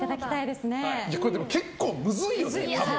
でも結構むずいよね。